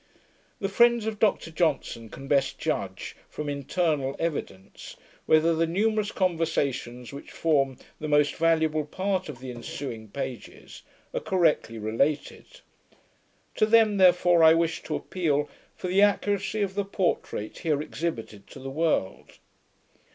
The friends of Doctor Johnson can best judge, from internal evidence, whether the numerous conversations which form the most valuable part of the ensuing pages, are correctly related. To them, therefore I wish to appeal, for the accuracy of the portrait here exhibited to the world.